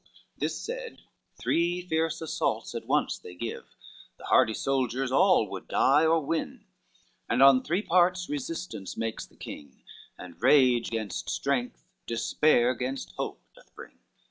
This said, three fierce assaults at once they give, The hardy soldiers all would die or win, And on three parts resistance makes the king, And rage gainst strength, despair gainst hope doth bring.